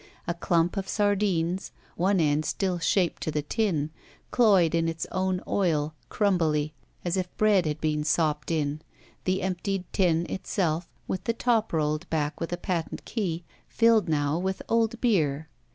A dump of sar dines, one end still shaped to the tin, cloyed in its own oil, crumbily, as if bread had been sopped in, the emptied tin itself, with the top rolled back with a patent key, filled now with old beer.